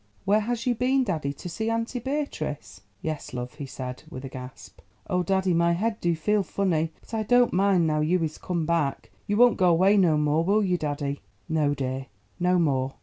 "Where has you been, daddy—to see Auntie Beatrice?" "Yes, love," he said, with a gasp. "Oh, daddy, my head do feel funny; but I don't mind now you is come back. You won't go away no more, will you, daddy?" "No, dear, no more."